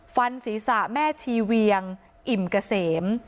ฟันศีรษะแม่ชีเวียงอิ่มเกษม